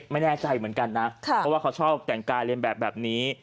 ไม่แน่ใจเหมือนกันนะเพราะว่าเขาชอบแต่งกายเรียนแบบแบบนี้